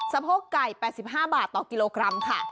โพกไก่๘๕บาทต่อกิโลกรัมค่ะ